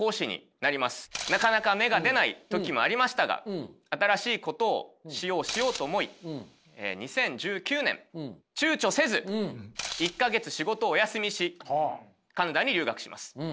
なかなか芽が出ない時もありましたが新しいことをしようしようと思い２０１９年躊躇せず１か月仕事をお休みしカナダに留学します。